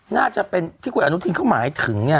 น่าจะเป็นที่คุณอนุทินเขาหมายถึงเนี่ย